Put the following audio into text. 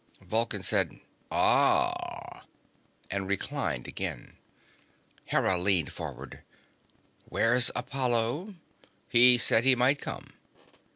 Vulcan said: "Ah," and reclined again. Hera leaned forward. "Where's Apollo? He said he might come."